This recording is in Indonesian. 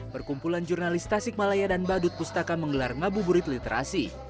berkumpulan jurnalis tasikmalaya dan badut pustaka menggelar ngabuburit literasi